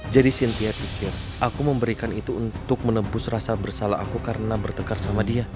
jadi cynthia pikir aku memberikan itu untuk menembus rasa bersalah aku karena bertegar sama dia